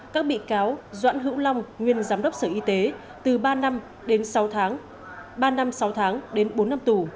các bị cáo doãn hữu long nguyên giám đốc sở y tế từ ba năm đến sáu tháng ba năm sáu tháng đến bốn năm tù